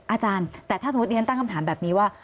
อาจารย์แต่ถ้าสมมุติเรียนตั้งคำถามแบบนี้ว่า